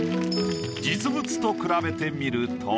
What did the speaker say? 実物と比べてみると。